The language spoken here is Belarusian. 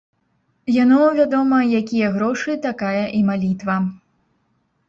Яно вядома, якія грошы, такая і малітва.